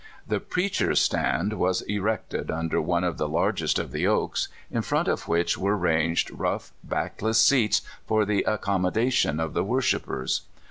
The "preach er's stand " was erected under one of the largest of the oaks, in front of which were ranged rough, backless seats, for the accommodation of the wor shipers.